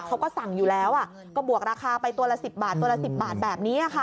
เขาก็สั่งอยู่แล้วก็บวกราคาไปตัวละ๑๐บาทตัวละ๑๐บาทแบบนี้ค่ะ